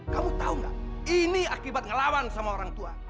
kamu tau gak ini akibat ngelawan sama orang tua